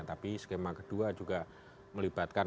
tapi skema kedua juga melibatkan